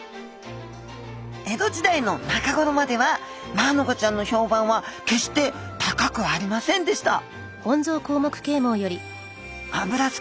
江戸時代の中ごろまではマアナゴちゃんの評判は決して高くありませんでした